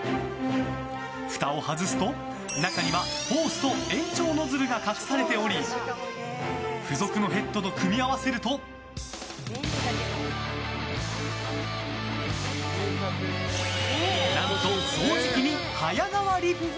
ふたを外すと中にはホースと延長ノズルが隠されており付属のヘッドと組み合わせると何と、掃除機に早変わり！